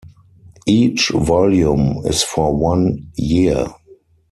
Each volume is for one year.